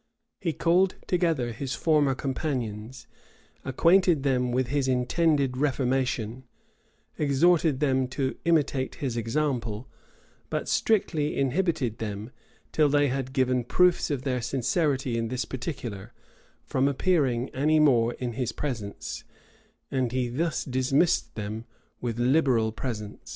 [] He called together his former companions, acquainted them with his intended reformation, exhorted them to imitate his example, but strictly inhibited them, till they had given proofs of their sincerity in this particular, from appearing any more in his presence; and he thus dismissed them with liberal presents.